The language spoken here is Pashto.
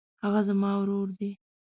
هغه زما ورور دی.